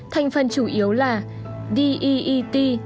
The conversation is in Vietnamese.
thành phần chủ yếu là deet